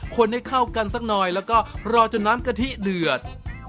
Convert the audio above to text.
คนให้เข้ากันสักหน่อยแล้วก็รอจนน้ำกะทิเดือด